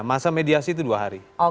masa mediasi itu dua hari